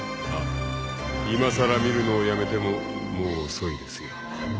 ［あっいまさら見るのをやめてももう遅いですよ］